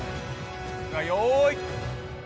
よい。